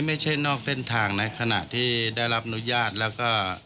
ไม่ใช่นอกเส้นทางนะขณะที่ได้รับอนุญาตแล้วก็